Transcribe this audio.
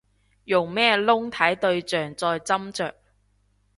用咩窿睇對象再斟酌